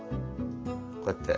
こうやって。